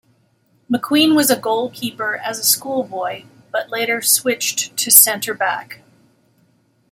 McQueen was a goalkeeper as a schoolboy, but later switched to centre-back.